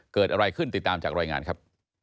เกิดอะไรขึ้นติดตามจากรายงานครับ